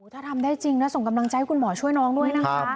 ถ้าทำได้จริงนะส่งกำลังใจให้คุณหมอช่วยน้องด้วยนะคะ